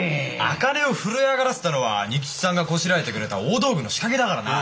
赤根を震え上がらせたのは仁吉さんがこしらえてくれた大道具の仕掛けだからな。